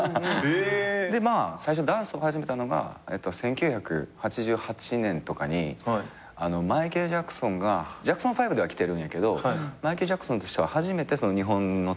でまあ最初にダンスを始めたのが１９８８年とかにマイケル・ジャクソンがジャクソン５では来てるんやけどマイケル・ジャクソンとしては初めて日本のツアーに来た。